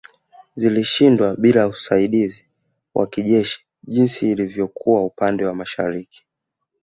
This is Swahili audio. Zilishindwa bila usaidizi wa kijeshi jinsi ilivyokuwa upande wa mashariki